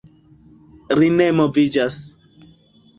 Ri ne moviĝas.